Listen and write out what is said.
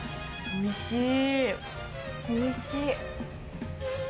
おいしい。